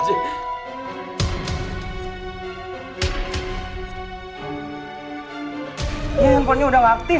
ya ya ya yangponnya udah gak aktif